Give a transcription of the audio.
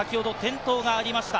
先ほど転倒がありました。